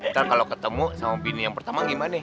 ntar kalau ketemu sama bini yang pertama gimana